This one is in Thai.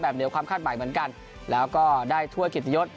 แบบเหนียวความคาดใหม่เหมือนกันแล้วก็ได้ถ้วยกิจยศ